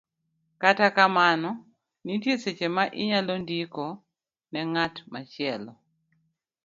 Kata kamano, nitie seche ma inyalo ndiko ne ng'at machielo,